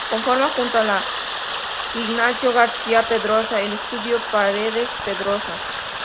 Conforma junto a Ignacio García Pedrosa el estudio Paredes Pedrosa.